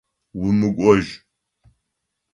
Умыкӏожь!